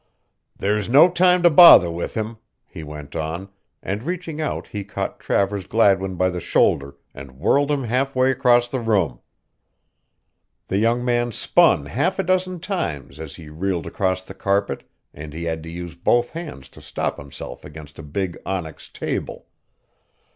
"There's no time to bother with him," he went on, and reaching out he caught Travers Gladwin by the shoulder and whirled him half way across the room. The young man spun half a dozen times as he reeled across the carpet and he had to use both hands to stop himself against a big onyx table.